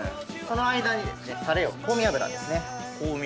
その間にですねたれを香味油ですね。